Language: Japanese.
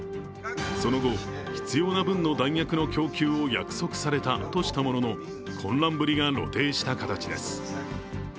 その後、必要な分の弾薬の供給を約束されたとしたものの混乱ぶりが露呈した形です。